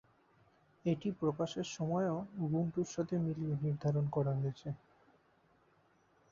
এটি প্রকাশের সময়ও উবুন্টুর সাথে মিলিয়ে নির্ধারণ করা হয়েছে।